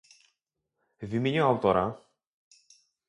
w imieniu autora